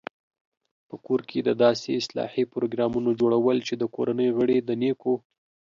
په کور کې د داسې اصلاحي پروګرامونو جوړول چې د کورنۍ غړي د نېکو